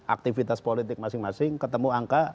aktivitas politik masing masing ketemu angka ranking tiga